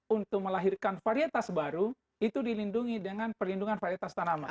untuk melahirkan varietas baru itu dilindungi dengan perlindungan varietas tanaman